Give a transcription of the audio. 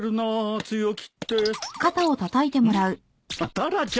タラちゃん。